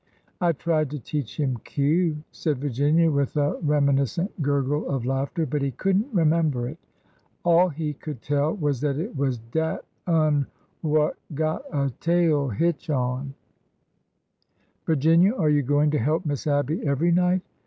I tried to teach him Q," said Virginia, with a remi niscent gurgle of laughter ;" but he could n't remember it. All he could tell was that it was ' dat un wha' got a tail hitch on.' " 92 ORDER NO. 11 Virginia, are you going to help Miss Abby every night?